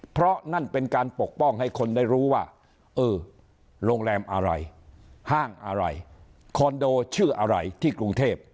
เพราะนั่นเป็นการปกป้องให้คนได้รู้ว่าเออโรงแรมอะไรห้างอะไรคอนโดชื่ออะไรที่กรุงเทพ